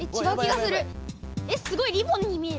すごいリボンに見える。